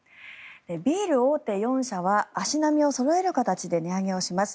ビール大手４社は足並みをそろえる形で値上げをします。